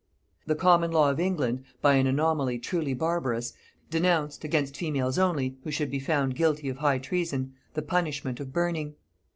The common law of England, by an anomaly truly barbarous, denounced, against females only, who should be found guilty of high treason, the punishment of burning.